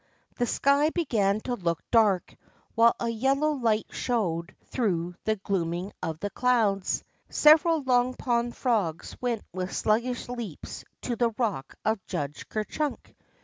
The sky began to look dark, while a yellow light showed through the glooming THE GREAT STORM 99 of the clouds. Several Long Pond frogs went with sluggish leaps to the rock of Judge Ker Chunk.